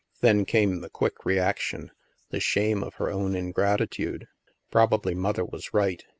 Then came the quick reaction, the shame of STILL WATERS 19 her own ingratitude. Probably Mother was right.